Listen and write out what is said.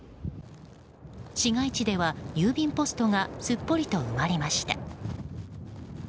市街地では、郵便ポストがすっぽりと埋まりました。